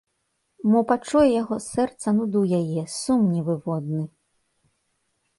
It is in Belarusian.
Мо пачуе яго сэрца нуду яе, сум невыводны?